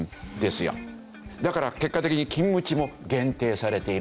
だから結果的に勤務地も限定されている。